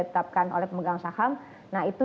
ditetapkan oleh pemegang saham nah itu